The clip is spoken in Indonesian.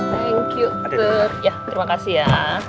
thank you terima kasih ya